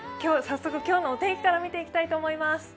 早速、今日のお天気から見ていきたいと思います。